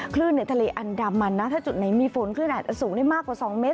คลื่นในทะเลอันดามันนะถ้าจุดไหนมีฝนคลื่นอาจจะสูงได้มากกว่า๒เมตร